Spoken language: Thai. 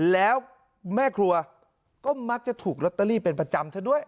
แล้วแม่ครัวก็มักจะถูกลอตเตอรี่เป็นประจำเธอด้วย